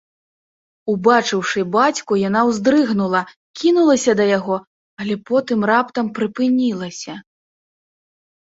Убачыўшы бацьку, яна ўздрыгнула, кінулася да яго, але потым раптам прыпынілася.